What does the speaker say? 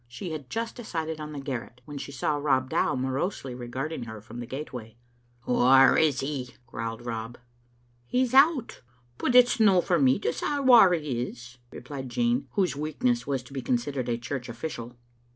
She had just decided on the garret when she saw Rob Dow morosely regarding her from the gateway. " Whaur is he?" growled Rob. "He's out, but it's no for me to say whaur he is," replied Jean, whose weakness was to be considered a church official.